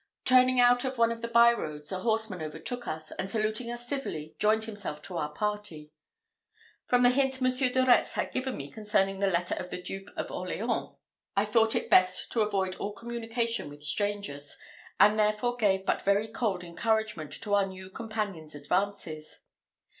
Turning out of one of the byroads, a horseman overtook us, and saluting us civilly, joined himself to our party. From the hint Monsieur de Retz had given me concerning the letter of the Duke of Orleans, I thought it best to avoid all communication with strangers, and therefore gave but very cold encouragement to our new companion's advances.